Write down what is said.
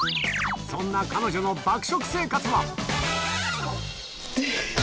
そんな彼女の爆食生活は。